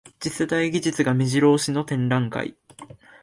次世代技術がめじろ押しの展覧会